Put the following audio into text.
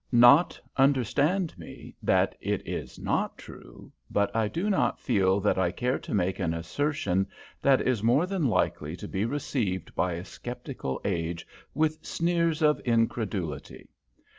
Not, understand me, that it is not true, but I do not feel that I care to make an assertion that is more than likely to be received by a sceptical age with sneers of incredulity.